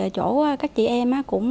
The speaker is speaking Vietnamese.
chỗ các chị em